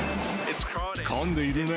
混んでいるね。